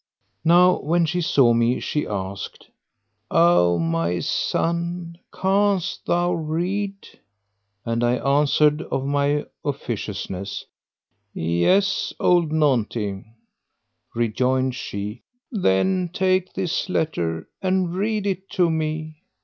Now when she saw me she asked, "O my son! canst thou read?"; and I answered, of my officiousness, "Yes, old naunty!" Rejoined she, "Then take this letter and read it to me."